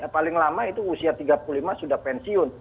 paling lama itu usia tiga puluh lima sudah pensiun